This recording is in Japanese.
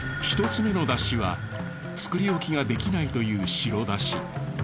一つ目のだしは作り置きができないという白だし。